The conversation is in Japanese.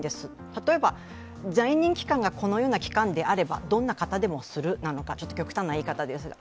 例えば在任期間がこのような期間であればどんな方でもするなのか、極端な言い方ですが。